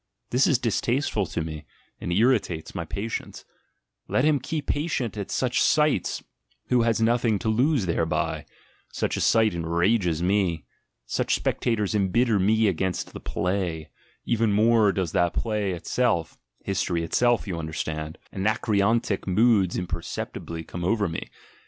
This is dis tasteful to me, and irritates my patience; let him keep patient at such sights who has nothing to lose thereby, — such a sight enrages me, such spectators embitter me tinst the "play," even more than does the play itself (history itself, you understand); Anacreontic moods im perceptibly come over me.